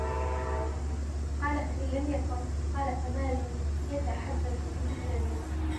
قَالَ فَإِنْ لَمْ يَكُنْ ؟ قَالَ فَمَالٌ يَتَحَبَّبُ بِهِ إلَى النَّاسِ